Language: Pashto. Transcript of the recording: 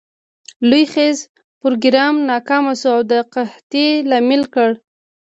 لوی خیز پروګرام ناکام شو او د قحطي لامل ګړ.